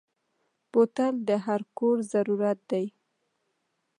بوتل د هر کور ضرورت دی.